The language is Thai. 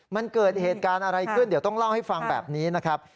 มันเกิดเหตุการณ์อะไรขึ้นเดี๋ยวต้องเล่าให้ฟังแบบนี้นะครับ